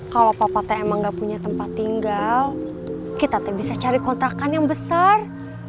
kalau papa teh emang gak punya tempat tinggal kita bisa cari kontrakan yang besar